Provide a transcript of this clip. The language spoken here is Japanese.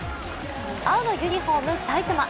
青のユニフォーム、埼玉。